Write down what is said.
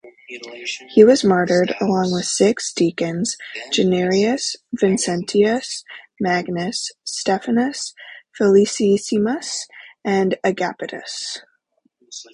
He was martyred along with six deacons- Januarius, Vincentius, Magnus, Stephanus, Felicissimus and Agapitus.